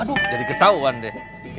aduh jadi ketauan deh